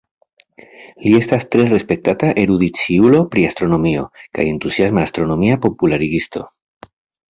Li estas tre respektata erudiciulo pri astronomio kaj entuziasma astronomia popularigisto.